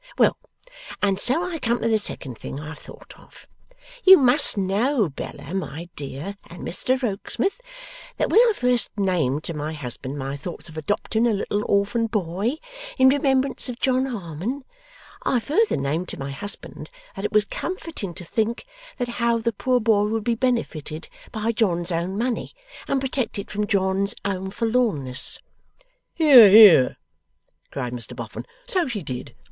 Well; and so I come to the second thing I have thought of. You must know, Bella, my dear, and Mr Rokesmith, that when I first named to my husband my thoughts of adopting a little orphan boy in remembrance of John Harmon, I further named to my husband that it was comforting to think that how the poor boy would be benefited by John's own money, and protected from John's own forlornness.' 'Hear, hear!' cried Mr Boffin. 'So she did.